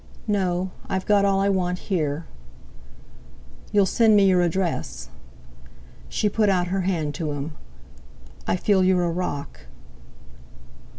"No; I've got all I want here." "You'll send me your address?" She put out her hand to him. "I feel you're a rock."